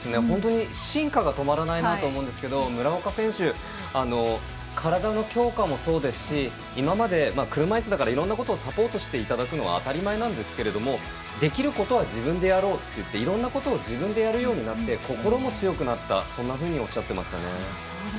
進化が止まらないなと思うんですが村岡選手、体の強化もそうですし今まで車いすだからいろんなことをサポートしていただくのは当たり前なんですけどできることは自分でやろうといっていろんなことを自分でやるようになって心も強くなったとおっしゃっていました。